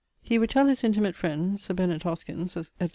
He would tell his intimate friends, Sir Bennet Hoskyns, etc.